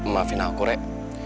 maafin aku rek